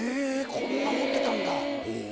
こんな持ってたんだ。